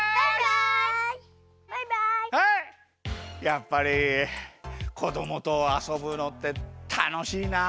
やっぱりこどもとあそぶのってたのしいな。